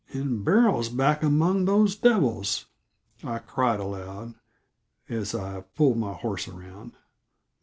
"And Beryl's back among those devils!" I cried aloud, as I pulled my horse around.